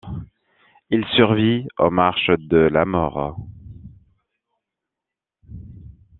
Il survit aux Marches de la mort.